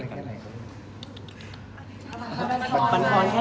แล้วก็จากนี้หนูจะแข่งแข็งให้มากขึ้น